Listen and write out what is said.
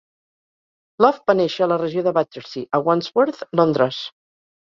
Love va néixer a la regió de Battersea, a Wandsworth, Londres.